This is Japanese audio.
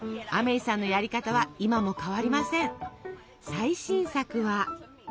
最新作は？